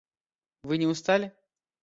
Вы не устали?